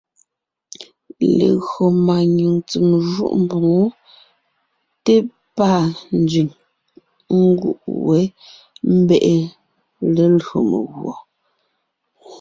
Legÿo máanyìŋ ntsèm jûʼ mboŋó té pâ nzẅìŋ nguʼ wé, ḿbe’e lelÿò meguɔ.